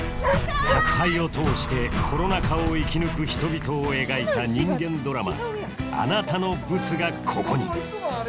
宅配を通してコロナ禍を生き抜く人々を描いた人間ドラマ「あなたのブツが、ここに」